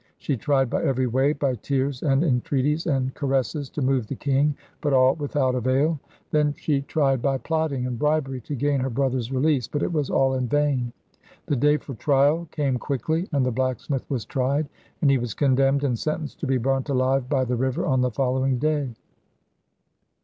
She tried by every way, by tears and entreaties and caresses, to move the king, but all without avail. Then she tried by plotting and bribery to gain her brother's release, but it was all in vain. The day for trial came quickly, and the blacksmith was tried, and he was condemned and sentenced to be burnt alive by the river on the following day.